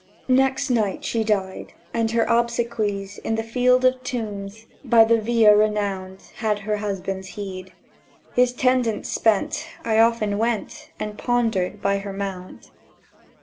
Next night she died; and her obsequies In the Field of Tombs, by the Via renowned, Had her husband's heed. His tendance spent, I often went And pondered by her mound.